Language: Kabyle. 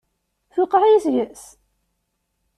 Tewqeɛ-iyi seg-s!